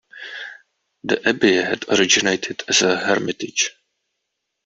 The abbey had originated as a hermitage.